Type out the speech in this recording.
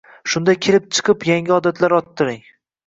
Shunda kelib chiqib yangi odatlar orttiring